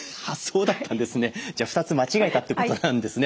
じゃあ２つ間違えたということなんですね。